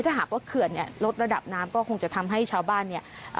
ถ้าหากว่าเขื่อนเนี่ยลดระดับน้ำก็คงจะทำให้ชาวบ้านเนี่ย